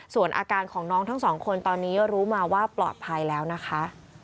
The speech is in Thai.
ส่วนอาการของน้องทั้งสองคนตอนนี้รู้มาว่าปลอดภัยแล้วนะคะ